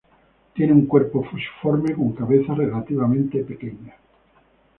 Tiene un cuerpo fusiforme con la cabeza relativamente pequeña.